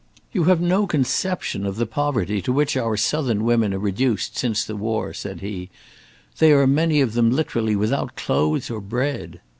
"You have no conception of the poverty to which our southern women are reduced since the war," said he; "they are many of them literally without clothes or bread."